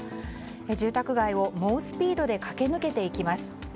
住宅街を猛スピードで駆け抜けていきます。